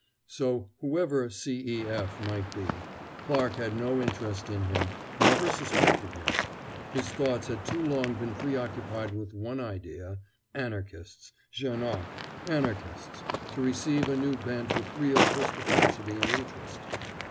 So, whoever "C. E. F." might be, Clarke had no interest in him, never suspected him: his thoughts had too long been preoccupied with one idea Anarchists, Janoc, Anarchists to receive a new bent with real perspicacity and interest.